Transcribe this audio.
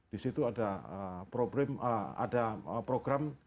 disitu ada program graduasi